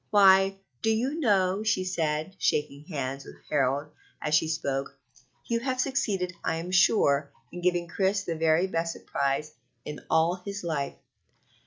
"Why, do you know," she said, shaking hands with Harold as she spoke, "you have succeeded, I am sure, in giving Chris the very best surprise in all his life."